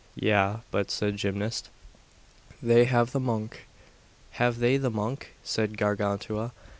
Yea, but, said Gymnast, they have the monk. Have they the monk? said Gargantua.